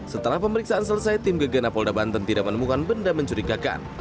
setelah pemeriksaan selesai tim gegana polda banten tidak menemukan benda mencurigakan